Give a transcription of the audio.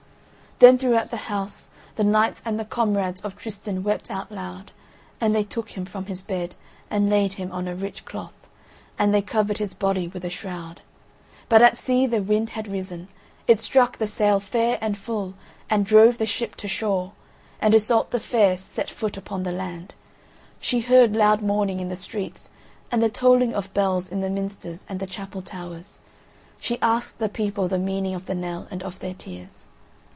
Then throughout the house, the knights and the comrades of Tristan wept out loud, and they took him from his bed and laid him on a rich cloth, and they covered his body with a shroud. But at sea the wind had risen; it struck the sail fair and full and drove the ship to shore, and Iseult the Fair set foot upon the land. She heard loud mourning in the streets, and the tolling of bells in the minsters and the chapel towers; she asked the people the meaning of the knell and of their tears.